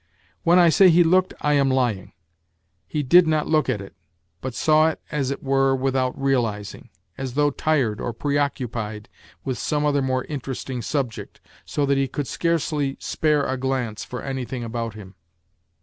When I say he looked, I am lying : he did not look at it, but saw it as it were without realizing, as though tired or preoccupied with some other more interesting subject, so that he could scarcely spare a glance for anything about him.